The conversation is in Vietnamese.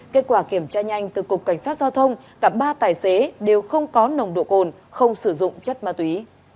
kết quả kiểm tra nhanh từ cục cảnh sát giao thông cả ba tài xế đều không có nồng độ cồn không sử dụng chất ma túy